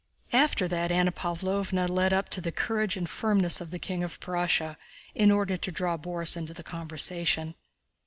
After that Anna Pávlovna led up to the courage and firmness of the King of Prussia, in order to draw Borís into the conversation.